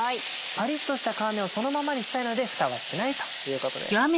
パリっとした皮目をそのままにしたいのでフタはしないということです。